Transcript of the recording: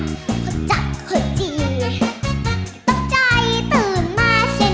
คุกจับเขาจริงตกใจตื่นมาเสนี